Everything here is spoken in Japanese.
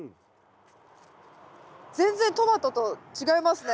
全然トマトと違いますね。